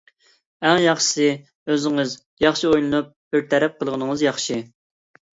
ئەڭ ياخشىسى، ئۆزىڭىز ياخشى ئويلىنىپ بىر تەرەپ قىلغىنىڭىز ياخشى.